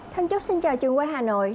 thân chúc xin chào trường quốc hà nội